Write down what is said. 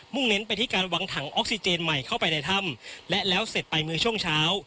เน้นไปที่การวางถังออกซิเจนใหม่เข้าไปในถ้ำและแล้วเสร็จไปเมื่อช่วงเช้า